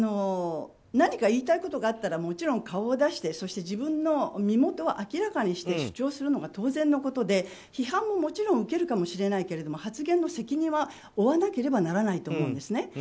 何か言いたいことがあったらもちろん顔を出してそして自分の身元を明らかにして主張するのが当然のことで、批判ももちろん受けるかもしれないけど発言の責任は負わなければならないと思うんですね。